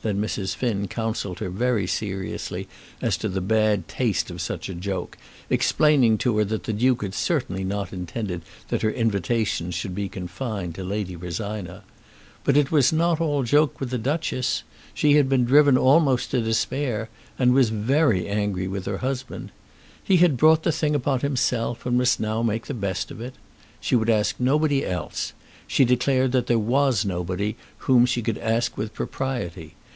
Then Mrs. Finn counselled her very seriously as to the bad taste of such a joke, explaining to her that the Duke had certainly not intended that her invitations should be confined to Lady Rosina. But it was not all joke with the Duchess. She had been driven almost to despair, and was very angry with her husband. He had brought the thing upon himself, and must now make the best of it. She would ask nobody else. She declared that there was nobody whom she could ask with propriety.